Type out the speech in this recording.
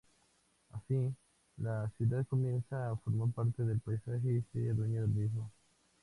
Así, la ciudad comienza a formar parte del paisaje y se adueña del mismo.